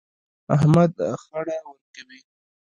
احمد خړه ورکوي.